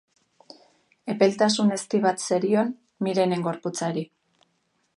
Epeltasun ezti bat zerion Mirenen gorputzari.